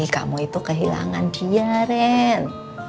kamu itu kehilangan dia ren